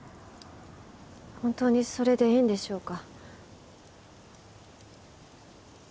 本当にそれでいいんでしょうか。